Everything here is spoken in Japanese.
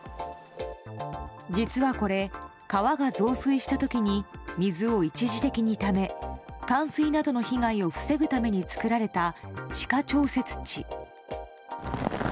実はこれ、川が増水した時に水を一時的にため冠水などの被害を防ぐために作られた地下調節池。